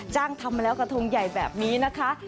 ทำมาแล้วกระทงใหญ่แบบนี้นะคะ